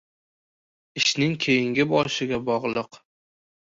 • Ishning keyini boshiga bog‘liq.